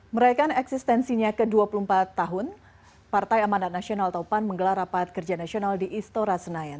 meraikan eksistensinya ke dua puluh empat tahun partai amanat nasional atau pan menggelar rapat kerja nasional di istora senayan